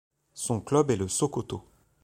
Son club est le Sokoto.